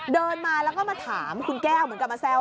เดินมาแล้วก็มาถามคุณแก้วเหมือนกับมาแซว